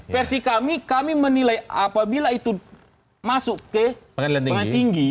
versi kami kami menilai apabila itu masuk ke pengadilan tinggi